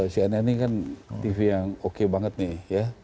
cnn ini kan tv yang oke banget nih ya